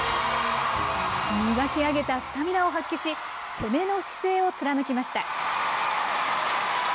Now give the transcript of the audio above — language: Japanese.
磨き上げたスタミナを発揮し、攻めの姿勢を貫きました。